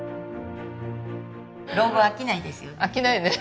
老後は飽きないですよね？